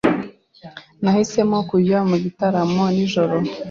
Nahisemo kujya mu gitaramo nijoro.